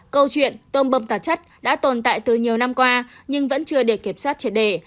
câu chuyện tôm bâm tạp chất đã tồn tại từ nhiều năm qua nhưng vẫn chưa được kiểm soát triệt đề